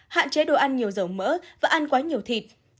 hạn chế đồ ăn nhiều dầu mỡ và ăn quá nhiều thịt